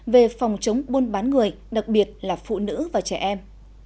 về phòng chống buôn bán người đặc biệt là phụ nữ và trẻ em